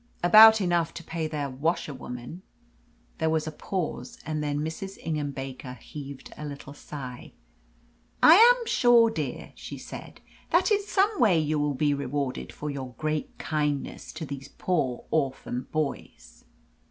"About enough to pay their washerwoman." There was a pause, and then Mrs. Ingham Baker heaved a little sigh. "I am sure, dear," she said, "that in some way you will be rewarded for your great kindness to these poor orphan boys."